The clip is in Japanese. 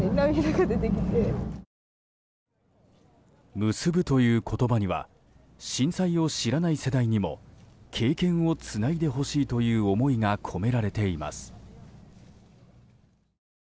「むすぶ」という言葉には震災を知らない世代にも経験をつないでほしいという思いが込められています。